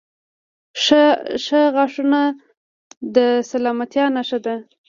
• ښه غاښونه د سلامتیا نښه ده.